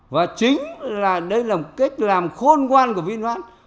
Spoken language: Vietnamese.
và chính là đây là một cách làm khôn ngoan của vinmart